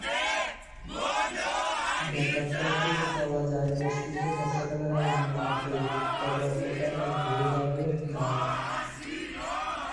ব্যাপারটা টের পাওয়া যায় দেশটিতে বর্ষাকালের আগমনের মতোই, তবে অতটা একঘেয়েভাবে নয়।